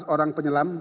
seratus orang penyelam